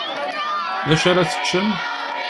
Dacu ara teččem?